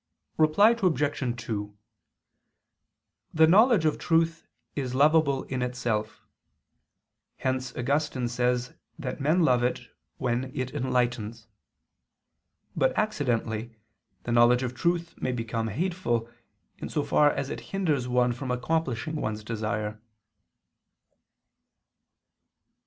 Reply Obj. 2: The knowledge of truth is lovable in itself: hence Augustine says that men love it when it enlightens. But accidentally, the knowledge of truth may become hateful, in so far as it hinders one from accomplishing one's desire.